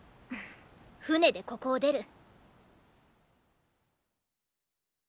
船でここを出る。